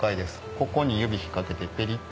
ここに指引っ掛けてペリッて。